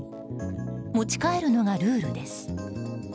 持ち帰るのがルールです。